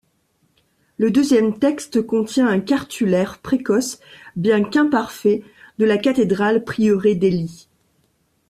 Le deuxième texte contient un cartulaire précoce bien qu'imparfait de la cathédrale-prieuré d'Ely.